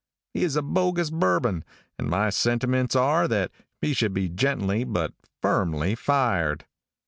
He is a bogus bourbon, and my sentiments are that he should be gently but firmly fired.